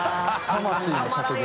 魂の叫び。